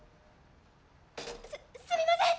すっすみません！